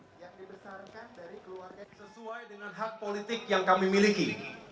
yang dibesarkan dari keluarga yang sesuai dengan hak politik yang kami miliki